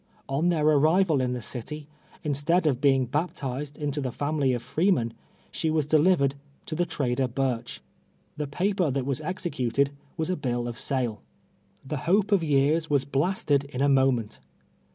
On their arrival in the city, instead of Ijeing baptized into the family of freemen, slie was delivered to the trader Burch. The paper that Avas executed was a bill of sale. The hope of years Vv'as blasted in a mo ment.